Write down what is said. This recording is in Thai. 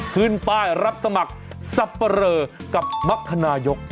คืนป้ายรับสมัครซับประเริกับมัฆนายก